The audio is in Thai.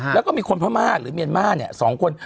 แล้วก็มีคนพม่าหรือเมียนมาร์๒คน